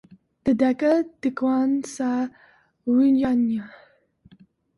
Dedeka dikwane saa w'unyanya.